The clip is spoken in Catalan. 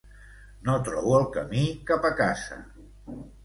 No trobo el camí cap a casa!